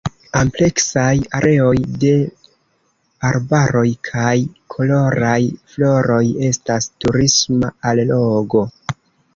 Ampleksaj areoj de arbaroj kaj koloraj floroj estas turisma allogo.